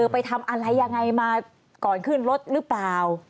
ไปทำอะไรยังไงมาก่อนขึ้นรถหรือเปล่า